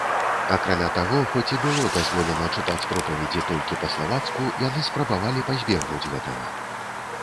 Акрамя таго, хоць і было дазволена чытаць пропаведзі толькі па-славацку, яны спрабавалі пазбегнуць гэтага.